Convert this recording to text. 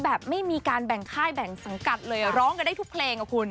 ไม่มีการแบ่งค่ายแบ่งสังกัดเลยร้องกันได้ทุกเพลงอะคุณ